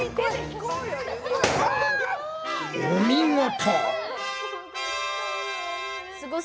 お見事！